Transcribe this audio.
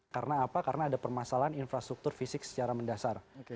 karena apa karena ada permasalahan infrastruktur fisik secara mendasar